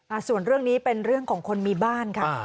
ส่วนเรื่องนี้เป็นเรื่องของคนมีบ้านค่ะ